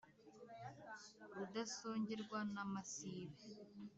Rudasongerwa n’ amasibe